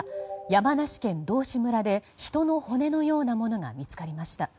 山梨県道志村で人の骨のようなものが見つかりました。